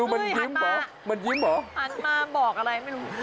ทำไมยิ้มให้ด้วยด้วยหันมาหันมาบอกอะไรไม่รู้